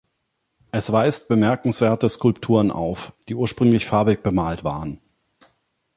Es weist bemerkenswerte Skulpturen auf, die ursprünglich farbig bemalt waren.